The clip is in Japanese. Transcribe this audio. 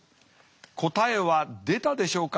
答えは出たでしょうか？